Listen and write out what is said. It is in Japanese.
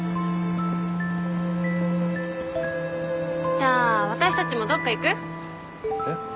じゃあ私たちもどっか行く？えっ？